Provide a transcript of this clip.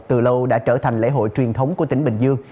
từ lâu đã trở thành lễ hội truyền thống của tỉnh bình dương